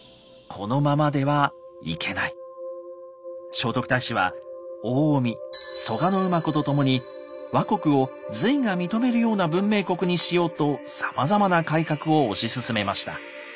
聖徳太子は大臣・蘇我馬子と共に倭国を隋が認めるような文明国にしようとさまざまな改革を推し進めました。